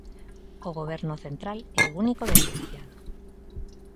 O Goberno central é o único beneficiado.